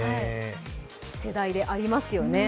世代でありますよね。